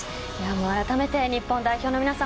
あらためて日本代表の皆さん